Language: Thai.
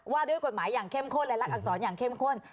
ว่าด้วยกฎหมายอย่างเข้มข้นและลักอักษรอย่างเข้มข้น